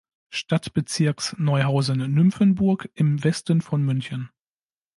Stadtbezirks Neuhausen-Nymphenburg im Westen von München.